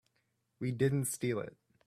We didn't steal it.